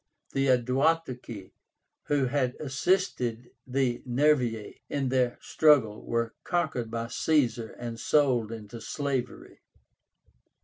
The Aduatuci, who had assisted the Nervii in their struggle, were conquered by Caesar and sold into slavery.